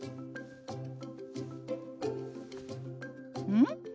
うん？